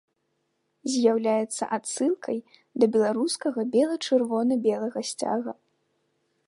З'яўляецца адсылкай да беларускага бела-чырвона-белага сцяга.